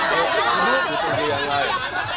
jari lagi pak